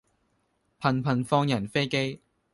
頻頻放人飛機